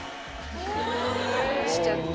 しちゃって。